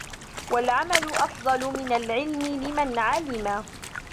وَالْعَمَلُ أَفْضَلُ مِنْ الْعِلْمِ لِمَنْ عَلِمَ